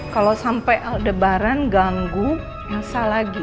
kalau sampai aldebaran ganggu elsa lagi